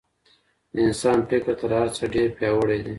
د انسان فکر تر هر څه ډېر پياوړی دی.